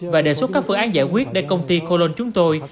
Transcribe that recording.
và đề xuất các phương án giải quyết để công ty colon chúng tôi